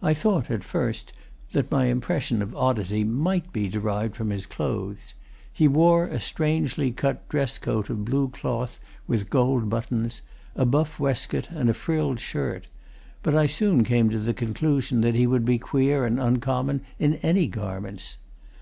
I thought, at first, that my impression of oddity might be derived from his clothes he wore a strangely cut dress coat of blue cloth, with gold buttons, a buff waistcoat, and a frilled shirt but I soon came to the conclusion that he would be queer and uncommon in any garments.